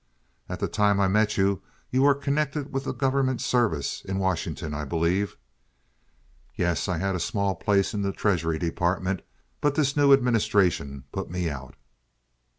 "At the time I met you you were connected with the government service in Washington, I believe." "Yes, I had a small place in the Treasury Department, but this new administration put me out."